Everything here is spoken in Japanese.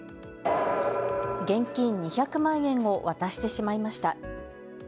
現金２００万円を渡してしまいました。